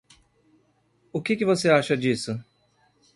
O que que você acha disso?